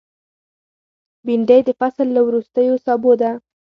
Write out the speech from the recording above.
بېنډۍ د فصل له وروستیو سابو ده